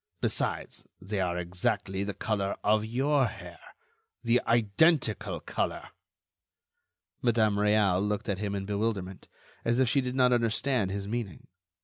Besides, they are exactly the color of your hair—the identical color." Madame Réal looked at him in bewilderment, as if she did not understand his meaning.